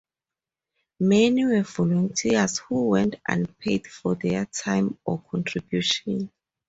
Many were volunteers who went unpaid for their time or contribution.